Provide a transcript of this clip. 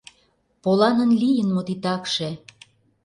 Поланын лийын мо титакше?